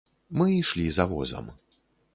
Мы ішлі за возам.